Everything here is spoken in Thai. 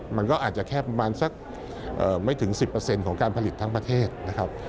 มันก็อาจจะแค่ประมาณสักไม่ถึง๑๐ของการผลิตทั้งประเทศนะครับ